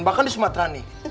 bahkan di sumatera nih